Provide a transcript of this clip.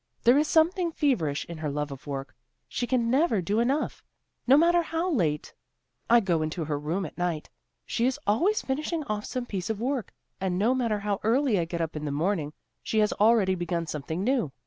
There is something feverish in her love of work; she can never do enough. No matter how late I go into her room at night, she is always finishing off some piece of work; and no matter how early I get up in the morning, she has already begun something new.